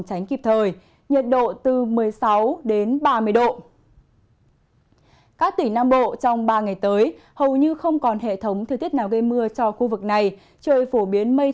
xin kính chào tạm biệt